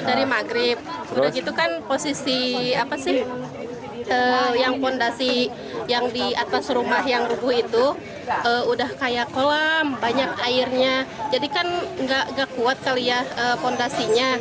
dari maghrib posisi yang fondasi yang di atas rumah yang rubuh itu udah kayak kolam banyak airnya jadi kan gak kuat kali ya fondasinya